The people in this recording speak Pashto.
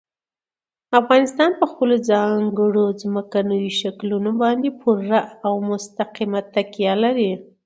افغانستان په خپلو ځانګړو ځمکنیو شکلونو باندې پوره او مستقیمه تکیه لري.